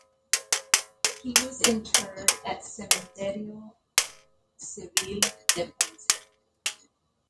He was interred at Cementerio Civil de Ponce.